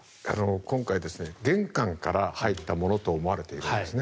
今回玄関から入ったものと思われているんですね。